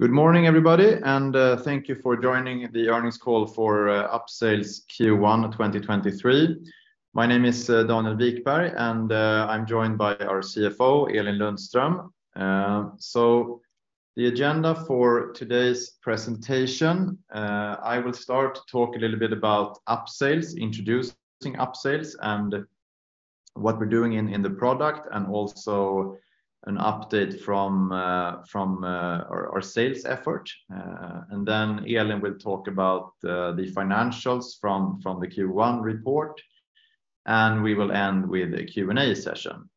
Good morning, everybody, and thank you for joining the earnings call for Upsales Q1 2023. My name is Daniel Wikberg, and I'm joined by our CFO, Elin Lundström. The agenda for today's presentation, I will start to talk a little bit about Upsales, introducing Upsales and what we're doing in the product, and also an update from our sales effort. Elin will talk about the financials from the Q1 report, and we will end with a Q&A session.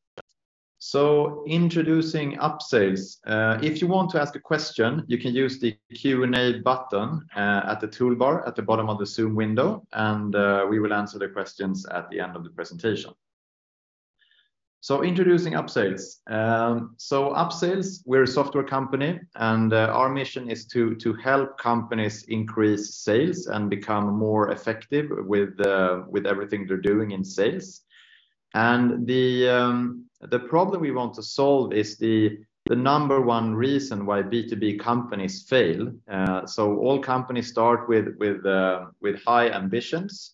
Introducing Upsales. If you want to ask a question, you can use the Q&A button at the toolbar at the bottom of the Zoom window, and we will answer the questions at the end of the presentation. Introducing Upsales. Upsales, we're a software company, our mission is to help companies increase sales and become more effective with everything they're doing in sales. The problem we want to solve is the number one reason why B2B companies fail. All companies start with high ambitions.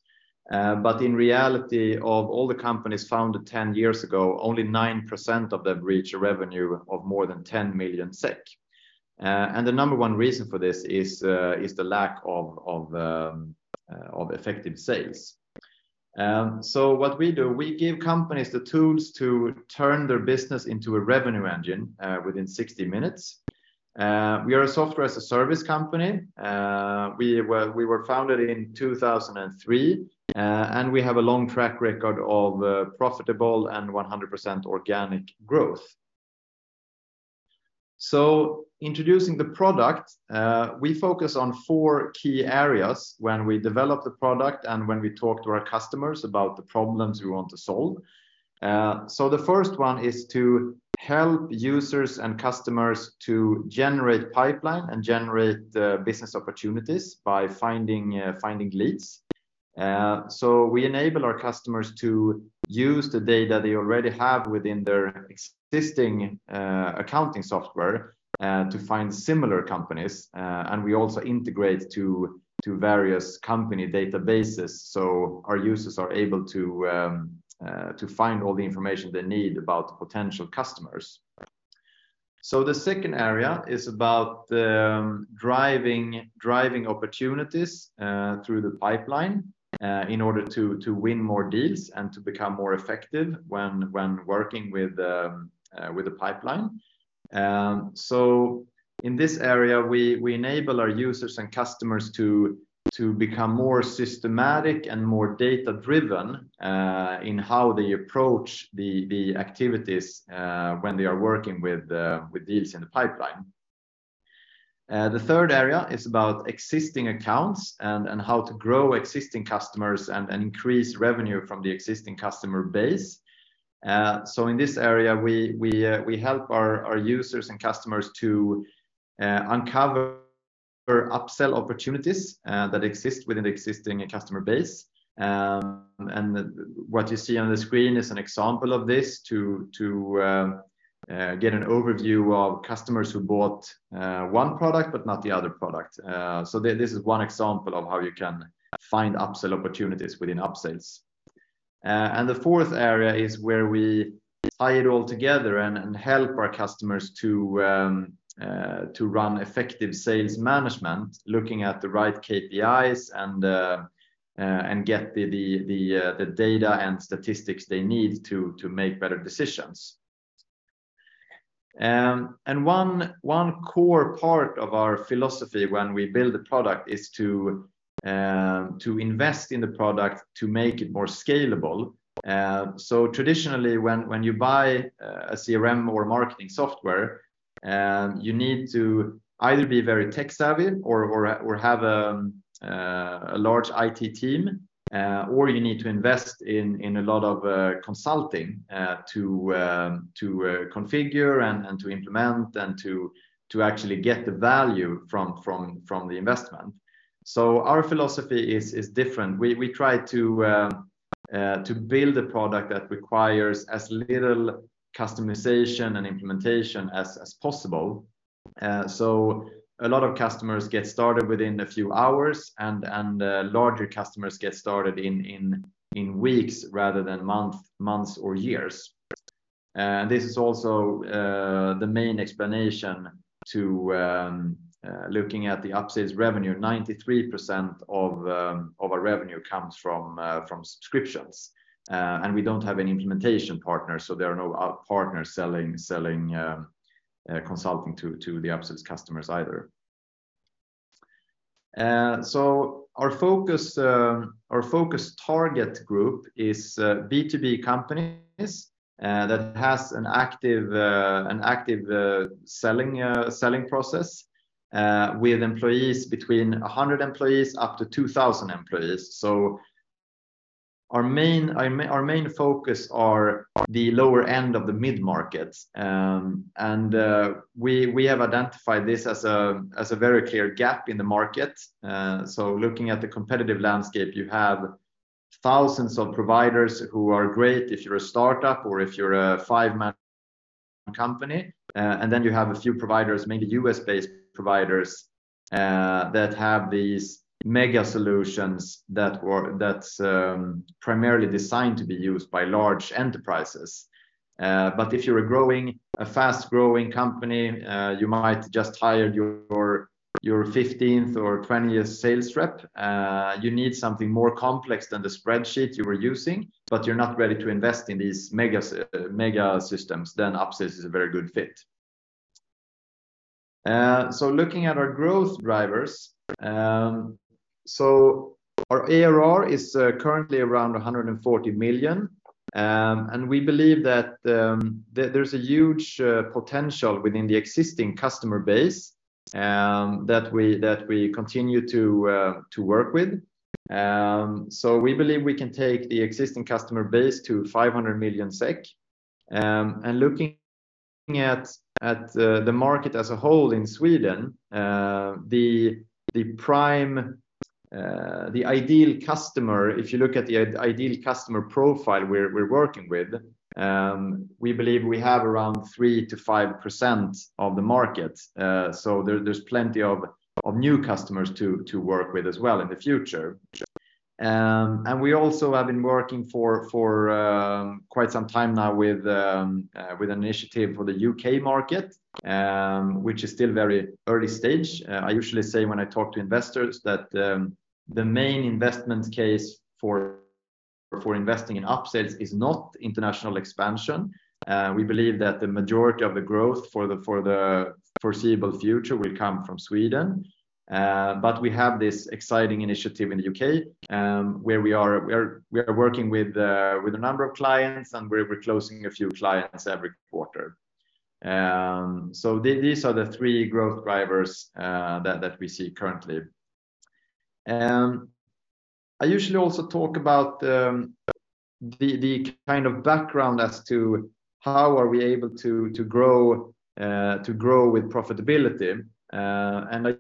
In reality, of all the companies founded 10 years ago, only 9% of them reach a revenue of more than 10 million SEK. The number one reason for this is the lack of effective sales. What we do, we give companies the tools to turn their business into a revenue engine within 60 minutes. We are a Software as a Service company. We were founded in 2003, and we have a long track record of profitable and 100% organic growth. Introducing the product, we focus on four key areas when we develop the product and when we talk to our customers about the problems we want to solve. The first one is to help users and customers to generate pipeline and generate business opportunities by finding leads. We enable our customers to use the data they already have within their existing accounting software to find similar companies. We also integrate to various company databases, so our users are able to find all the information they need about potential customers. The second area is about driving opportunities through the pipeline in order to win more deals and to become more effective when working with a pipeline. In this area, we enable our users and customers to become more systematic and more data-driven in how they approach the activities when they are working with deals in the pipeline. The third area is about existing accounts and how to grow existing customers and increase revenue from the existing customer base. In this area, we help our users and customers to uncover upsell opportunities that exist within the existing customer base. What you see on the screen is an example of this to get an overview of customers who bought one product but not the other product. This is one example of how you can find upsell opportunities within Upsales. The fourth area is where we tie it all together and help our customers to run effective sales management, looking at the right KPIs and get the data and statistics they need to make better decisions. One core part of our philosophy when we build a product is to invest in the product to make it more scalable. Traditionally, when you buy a CRM or marketing software, you need to either be very tech-savvy or have a large IT team, or you need to invest in a lot of consulting to configure and to implement and to actually get the value from the investment. Our philosophy is different. We try to build a product that requires as little customization and implementation as possible. A lot of customers get started within a few hours and larger customers get started in weeks rather than months or years. This is also the main explanation to looking at the Upsales revenue. 93% of our revenue comes from subscriptions. We don't have any implementation partners, there are no partners selling consulting to the Upsales customers either. Our focus target group is B2B companies that has an active selling process with employees between 100 employees up to 2,000 employees. Our main focus are the lower end of the mid-markets. We have identified this as a very clear gap in the market. Looking at the competitive landscape, you have thousands of providers who are great if you're a startup or if you're a five-man company, you have a few providers, maybe U.S.-based providers that's primarily designed to be used by large enterprises. If you're a fast-growing company, you might just hired your 15th or 20th sales rep, you need something more complex than the spreadsheet you were using, but you're not ready to invest in these mega systems, then Upsales is a very good fit. Looking at our growth drivers, our ARR is currently around 140 million SEK. We believe that there's a huge potential within the existing customer base that we, that we continue to work with. We believe we can take the existing customer base to 500 million SEK. Looking at the market as a whole in Sweden, the ideal customer, if you look at the ideal customer profile we're working with, we believe we have around 3%-5% of the market. There's plenty of new customers to work with as well in the future. We also have been working for quite some time now with an initiative for the U.K. market, which is still very early stage. I usually say when I talk to investors that the main investment case for investing in Upsales is not international expansion. We believe that the majority of the growth for the foreseeable future will come from Sweden. We have this exciting initiative in the U.K., where we are working with a number of clients, and we're closing a few clients every quarter. These are the three growth drivers that we see currently. I usually also talk about the kind of background as to how are we able to grow, to grow with profitability. I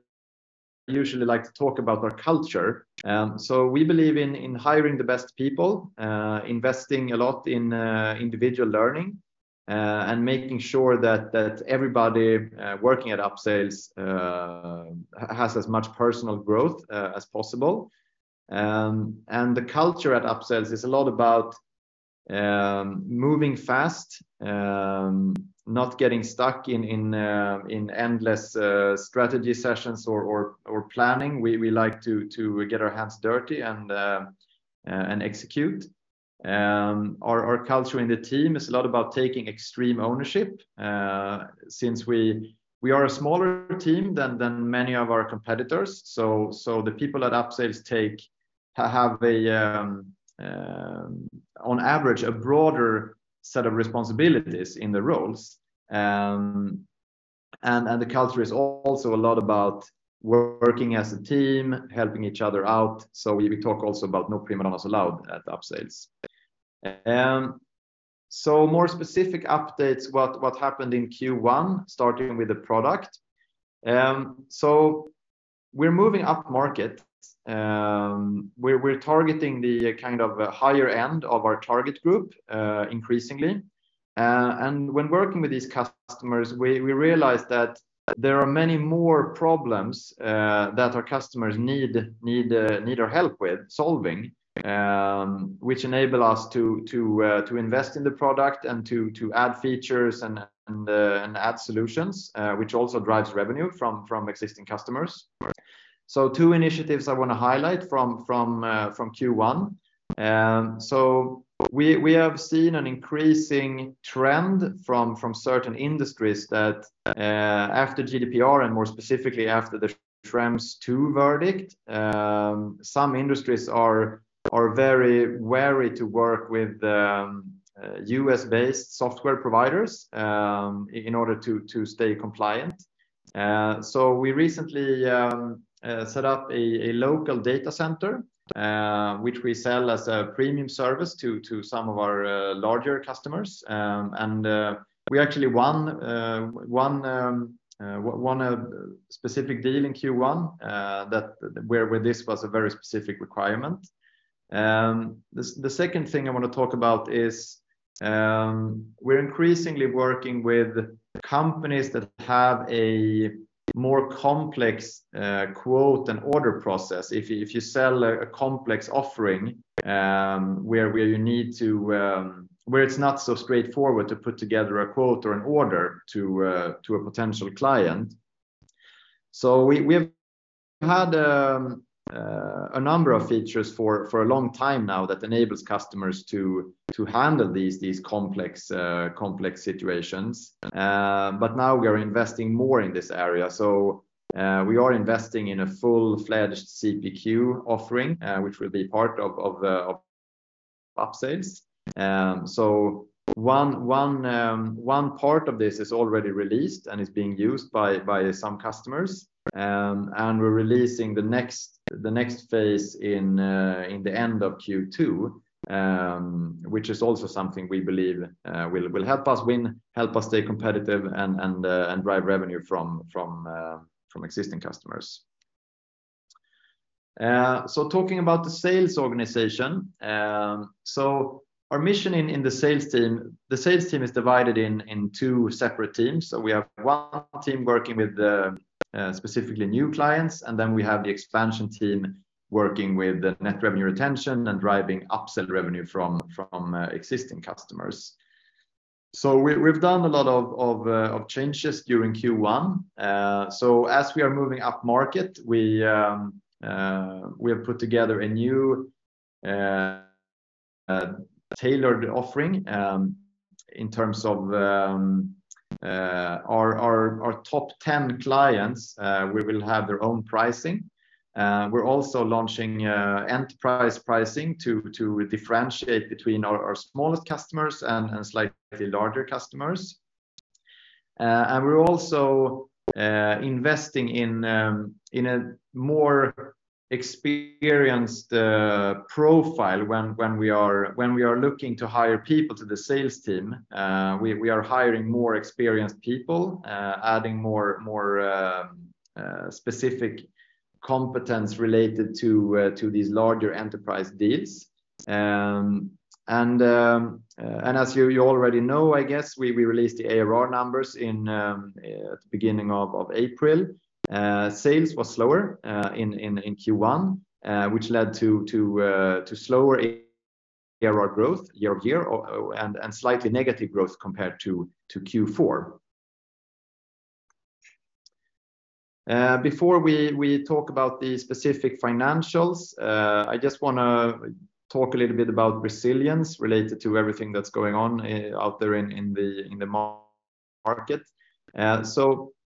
usually like to talk about our culture. We believe in hiring the best people, investing a lot in individual learning, and making sure that everybody working at Upsales has as much personal growth as possible. The culture at Upsales is a lot about moving fast, not getting stuck in endless strategy sessions or planning. We like to get our hands dirty and execute. Our culture in the team is a lot about taking extreme ownership, since we are a smaller team than many of our competitors. So the people at Upsales have a on average, a broader set of responsibilities in the roles. The culture is also a lot about working as a team, helping each other out. We talk also about no primadonnas allowed at Upsales. More specific updates what happened in Q1, starting with the product. We're moving up market. We're targeting the kind of higher end of our target group, increasingly. When working with these customers, we realize that there are many more problems that our customers need our help with solving, which enable us to invest in the product and to add features and add solutions, which also drives revenue from existing customers. Two initiatives I wanna highlight from Q1. We have seen an increasing trend from certain industries that after GDPR, and more specifically after the Schrems II verdict, some industries are very wary to work with US-based software providers in order to stay compliant. We recently set up a local data center, which we sell as a premium service to some of our larger customers. We actually won a specific deal in Q1 that where this was a very specific requirement. The second thing I wanna talk about is we're increasingly working with companies that have a more complex quote and order process if you sell a complex offering, where you need to where it's not so straightforward to put together a quote or an order to a potential client. We've had a number of features for a long time now that enables customers to handle these complex situations. Now we are investing more in this area. We are investing in a full-fledged CPQ offering, which will be part of Upsales. One part of this is already released and is being used by some customers. We're releasing the next phase in the end of Q2, which is also something we believe will help us win, help us stay competitive and drive revenue from existing customers. Talking about the sales organization. Our mission in the sales team, the sales team is divided in two separate teams. We have one team working with specifically new clients, and then we have the expansion team working with the net revenue retention and driving upsell revenue from existing customers. We've done a lot of changes during Q1. As we are moving up market, we have put together a new tailored offering in terms of our top 10 clients, we will have their own pricing. We're also launching enterprise pricing to differentiate between our smallest customers and slightly larger customers. We're also investing in a more experienced profile when we are looking to hire people to the sales team. We are hiring more experienced people, adding more, more specific competence related to these larger enterprise deals. As you already know, I guess, we released the ARR numbers at the beginning of April. Sales was slower in Q1, which led to slower ARR growth year-over-year, and slightly negative growth compared to Q4. Before we talk about the specific financials, I just wanna talk a little bit about resilience related to everything that's going on out there in the market.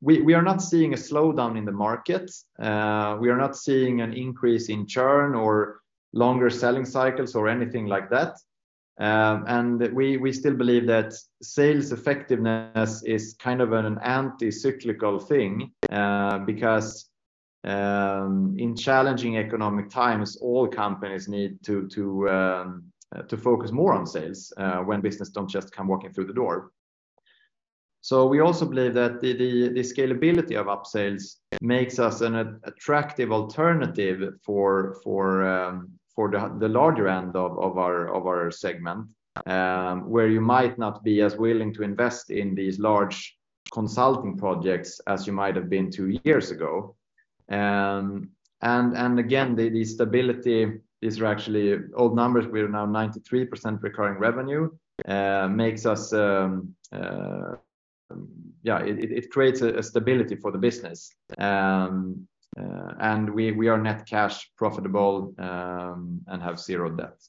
We are not seeing a slowdown in the market. We are not seeing an increase in churn or longer selling cycles or anything like that. We still believe that sales effectiveness is kind of an anti-cyclical thing, because in challenging economic times, all companies need to focus more on sales when business don't just come walking through the door. We also believe that the scalability of Upsales makes us an attractive alternative for the larger end of our segment, where you might not be as willing to invest in these large consulting projects as you might have been two years ago. Again, the stability, these are actually old numbers, we are now 93% recurring revenue, makes us, yeah, it creates a stability for the business. We are net cash profitable and have zero debt.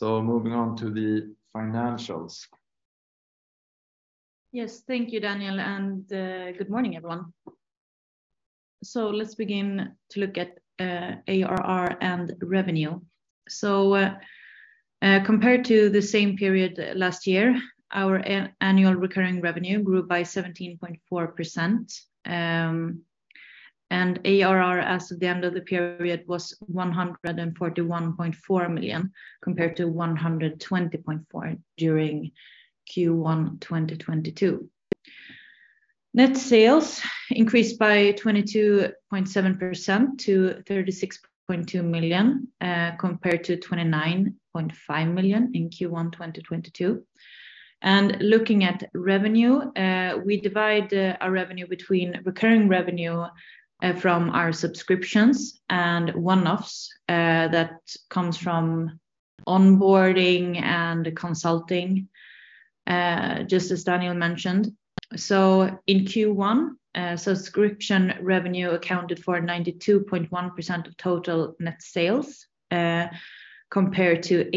Moving on to the financials. Yes. Thank you, Daniel, and good morning, everyone. Let's begin to look at ARR and revenue. Compared to the same period last year, our annual recurring revenue grew by 17.4%, and ARR as of the end of the period was 141.4 million, compared to 120.4 million during Q1, 2022. Net sales increased by 22.7% to 36.2 million, compared to 29.5 million in Q1, 2022. Looking at revenue, we divide our revenue between recurring revenue, from our subscriptions and one-offs, that comes from onboarding and consulting, just as Daniel mentioned. In Q1, subscription revenue accounted for 92.1% of total net sales, compared to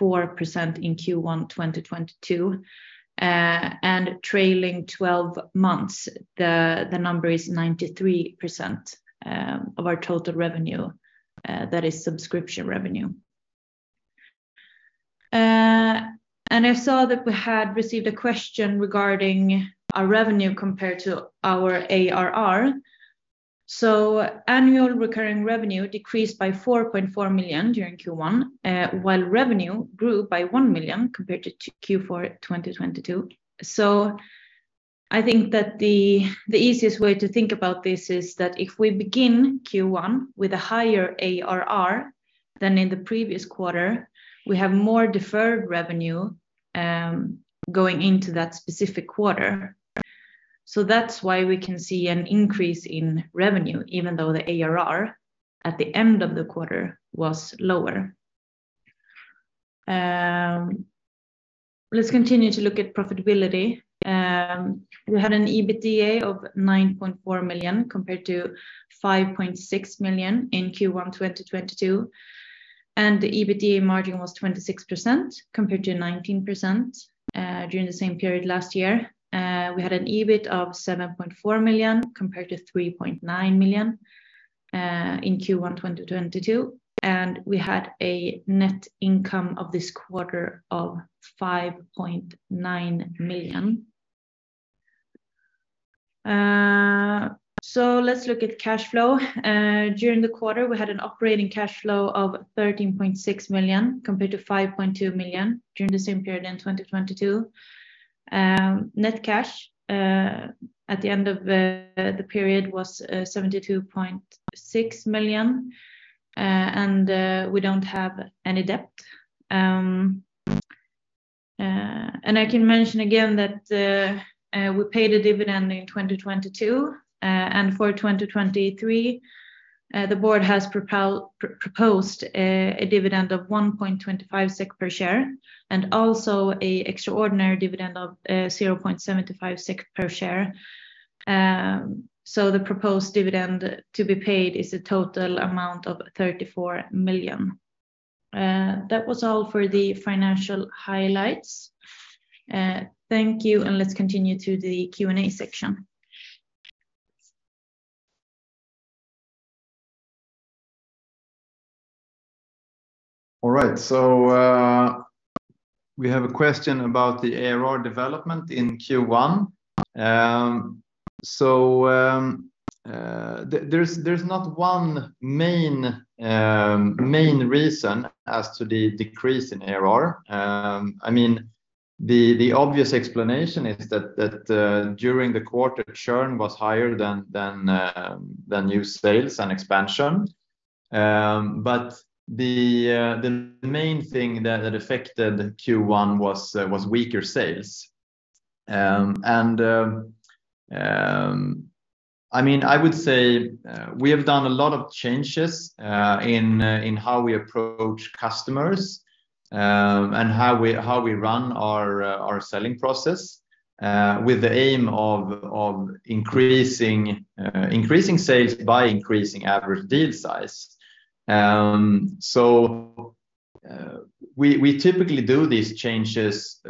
88.4% in Q1, 2022. Trailing 12 months, the number is 93% of our total revenue that is subscription revenue. I saw that we had received a question regarding our revenue compared to our ARR. Annual recurring revenue decreased by 4.4 million during Q1, while revenue grew by 1 million compared to Q4 2022. I think that the easiest way to think about this is that if we begin Q1 with a higher ARR than in the previous quarter, we have more deferred revenue going into that specific quarter. That's why we can see an increase in revenue even though the ARR at the end of the quarter was lower. Let's continue to look at profitability. We had an EBITDA of 9.4 million compared to 5.6 million in Q1 2022, and the EBITDA margin was 26% compared to 19% during the same period last year. We had an EBIT of 7.4 million compared to 3.9 million in Q1 2022. We had a Net Income of this quarter of 5.9 million. Let's look at cash flow. During the quarter, we had an operating cash flow of 13.6 million compared to 5.2 million during the same period in 2022. Net cash at the end of the period was 72.6 million. We don't have any debt. I can mention again that we paid a dividend in 2022. For 2023, the board has proposed a dividend of 1.25 SEK per share and also a extraordinary dividend of 0.75 SEK per share. The proposed dividend to be paid is a total amount of 34 million. That was all for the financial highlights. Thank you, let's continue to the Q&A section. All right. We have a question about the ARR development in Q1. There's not one main reason as to the decrease in ARR. I mean, the obvious explanation is that during the quarter, churn was higher than new sales and expansion. The main thing that affected Q1 was weaker sales. I mean, I would say, we have done a lot of changes in how we approach customers and how we run our selling process with the aim of increasing sales by increasing average deal size. We typically do these changes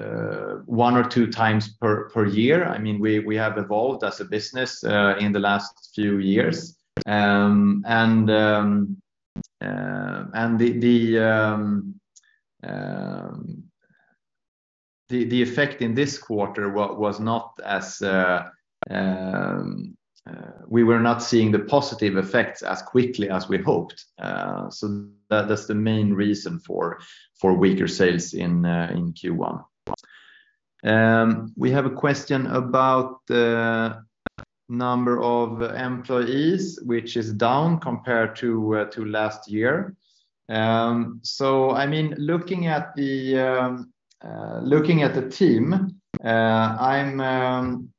one or two times per year. I mean, we have evolved as a business in the last few years. The effect in this quarter was not as we were not seeing the positive effects as quickly as we hoped. That's the main reason for weaker sales in Q1. We have a question about the number of employees, which is down compared to last year. I mean, looking at the team, I'm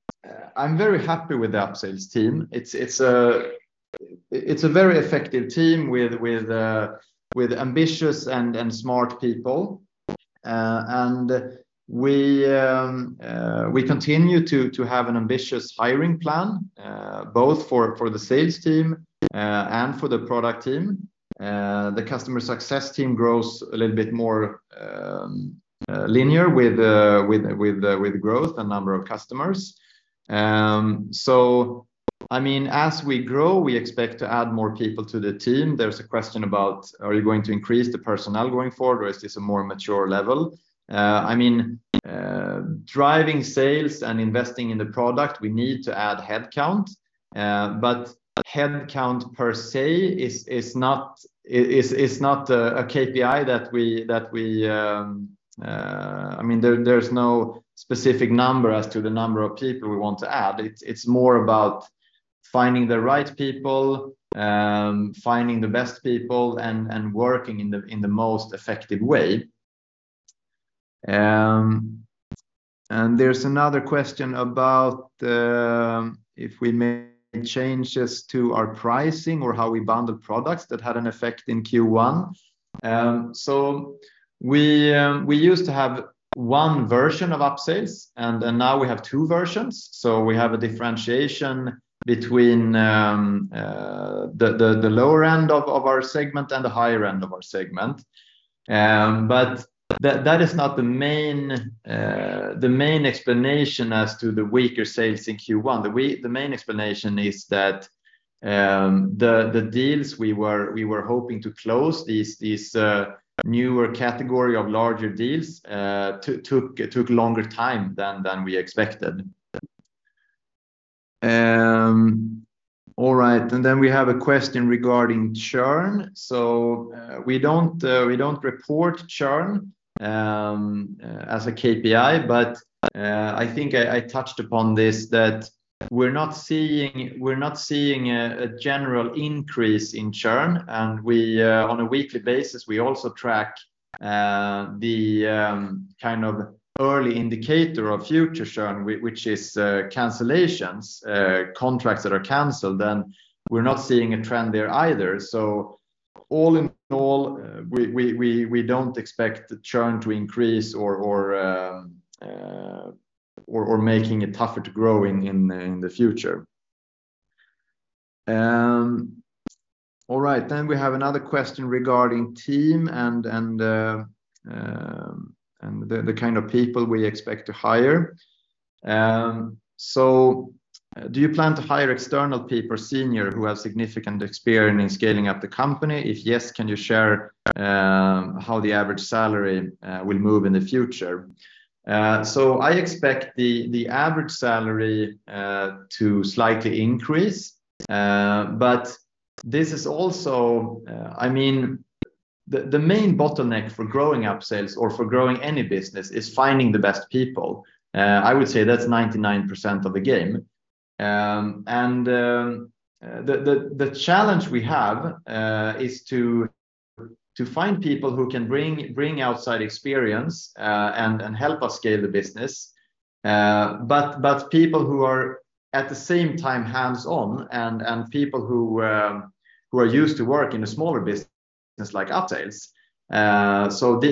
very happy with the Upsales team. It's a very effective team with ambitious and smart people. We continue to have an ambitious hiring plan both for the sales team and for the product team. The customer success team grows a little bit more linear with growth and number of customers. I mean, as we grow, we expect to add more people to the team. There's a question about, are you going to increase the personnel going forward, or is this a more mature level? I mean, driving sales and investing in the product, we need to add headcount. Headcount per se is not a KPI that we. I mean, there's no specific number as to the number of people we want to add. It's more about finding the right people, finding the best people, and working in the most effective way. There's another question about if we made changes to our pricing or how we bundle products that had an effect in Q1. We used to have one version of Upsales, now we have two versions. We have a differentiation between the lower end of our segment and the higher end of our segment. That is not the main explanation as to the weaker sales in Q1. The main explanation is that the deals we were hoping to close, these newer category of larger deals, took longer time than we expected. All right. We have a question regarding churn. We don't report churn as a KPI. I think I touched upon this, that we're not seeing a general increase in churn. We on a weekly basis, we also track the kind of early indicator of future churn, which is cancellations, contracts that are canceled. We're not seeing a trend there either. All in all, we don't expect the churn to increase or making it tougher to grow in the future. All right. We have another question regarding team and the kind of people we expect to hire. Do you plan to hire external people, senior, who have significant experience in scaling up the company? If yes, can you share how the average salary will move in the future? I expect the average salary to slightly increase. I mean, the main bottleneck for growing Upsales or for growing any business is finding the best people. I would say that's 99% of the game. The challenge we have is to find people who can bring outside experience and help us scale the business. People who are at the same time hands-on and people who are used to work in a smaller business like Upsales.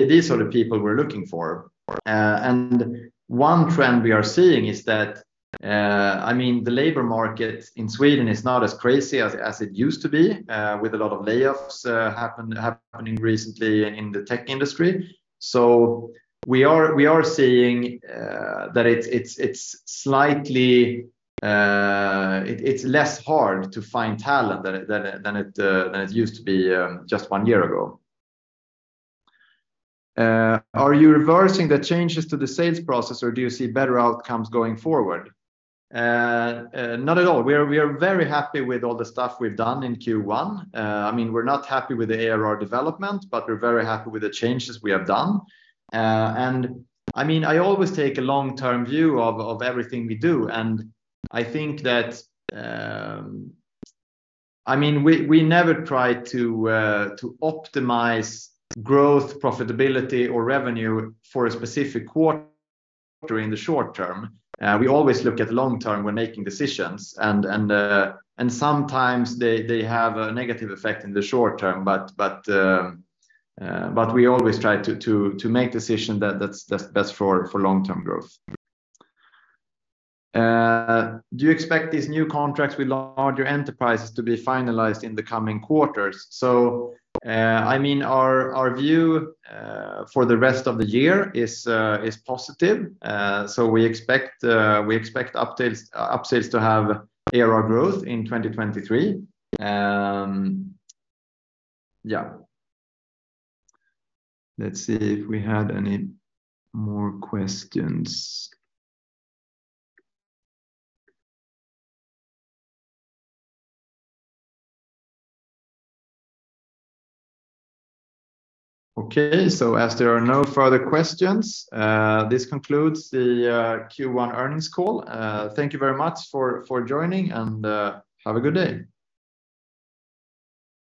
These are the people we're looking for. One trend we are seeing is that, I mean, the labor market in Sweden is not as crazy as it used to be, with a lot of layoffs happening recently in the tech industry. We are seeing that it's slightly less hard to find talent than it used to be, just one year ago. Are you reversing the changes to the sales process, or do you see better outcomes going forward? Not at all. We are very happy with all the stuff we've done in Q1. I mean, we're not happy with the ARR development, but we're very happy with the changes we have done. I mean, I always take a long-term view of everything we do, and I think that, I mean, we never try to optimize growth, profitability, or revenue for a specific quarter in the short term. We always look at long term when making decisions. Sometimes they have a negative effect in the short term, but we always try to make decision that's best for long-term growth. Do you expect these new contracts with larger enterprises to be finalized in the coming quarters? I mean, our view for the rest of the year is positive. We expect Upsales to have ARR growth in 2023. Yeah. Let's see if we had any more questions. Okay. As there are no further questions, this concludes the Q1 earnings call. Thank you very much for joining and have a good day.